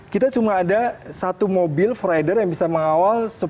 kita cuma ada satu mobil frider yang bisa mengawal